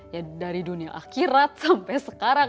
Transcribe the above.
ya dari dunia akhirat sampai sekarang